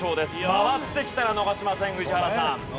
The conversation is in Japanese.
回ってきたら逃しません宇治原さん。